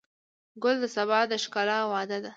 ګل د سبا د ښکلا وعده ده.